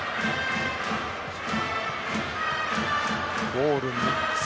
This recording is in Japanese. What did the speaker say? ボール３つ。